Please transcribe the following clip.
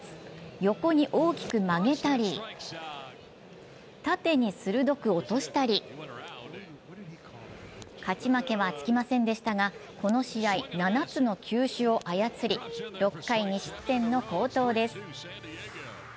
横に大きく曲げたり、縦に鋭く落としたり勝ち負けはつきませんでしたが、この試合、７つの球種を操り６回２失点の好投です。